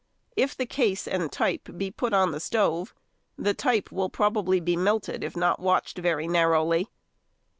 If the case and type be put on the stove, the type will probably be melted if not watched very narrowly.